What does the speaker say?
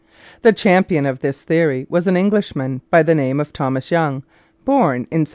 The champion of this theory was an Englishman by the name of Thomas Young, born in 1773.